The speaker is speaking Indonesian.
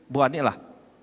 bu ani lah